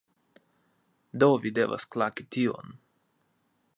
Do, vi devas klaki tion